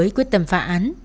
với quyết tâm phá án